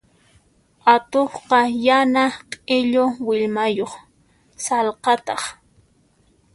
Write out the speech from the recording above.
Atuqqa yana q'illu willmayuq sallqataq.